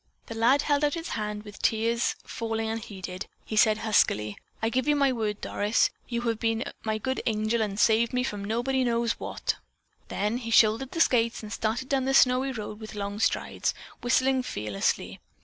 The lad held out his hand and, with tears falling unheeded, he said huskily: "I give you my word, Doris. You've been my good angel and saved me from nobody knows what." Then he shouldered the skates and started down the snowy road with long strides, whistling fearlessly.